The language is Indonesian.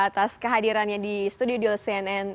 atas kehadirannya di studio cnn